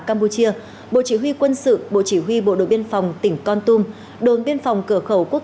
campuchia bộ chỉ huy quân sự bộ chỉ huy bộ đội biên phòng tỉnh con tum đồn biên phòng cửa khẩu quốc